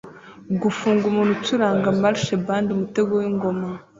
Gufunga umuntu ucuranga marche bande umutego wingoma